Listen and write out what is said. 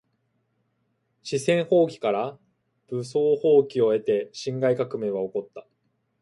四川蜂起から武昌蜂起を経て辛亥革命は起こった。